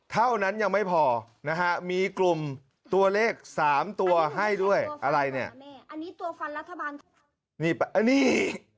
ยังไม่พอนะฮะมีกลุ่มตัวเลข๓ตัวให้ด้วยอะไรเนี่ย